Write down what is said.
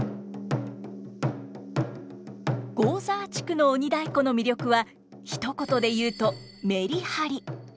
合沢地区の鬼太鼓の魅力はひと言で言うとメリハリ。